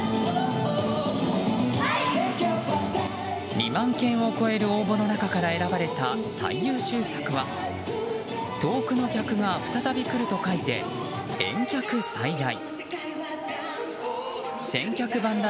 ２万件を超える応募の中から選ばれた最優秀作は遠くの客が再び来ると書いて「遠客再来」。